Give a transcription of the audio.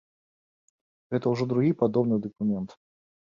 Гэта ўжо другі падобны дакумент.